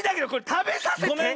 たべさせて。